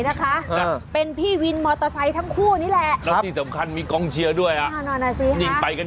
เอาอะไรเอาอะไรเอาอะไรเอาอะไรเอาอะไรเอาอะไรเอาอะไร